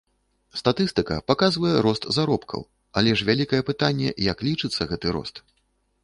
Статыстыка паказвае рост заробкаў, але ж вялікае пытанне, як лічыцца гэты рост.